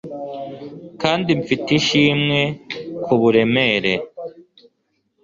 Kandi mfite ishimwe kuburemere